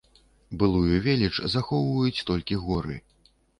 Былую веліч захоўваюць толькі горы.